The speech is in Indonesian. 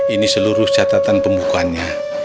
ini seluruh catatan pembukanya